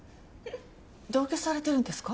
同居されてるんですか？